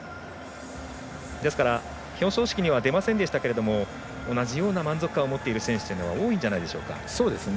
ですから、表彰式には出ませんでしたけれども同じような満足感を持っている選手というのも多いんじゃないでしょうか。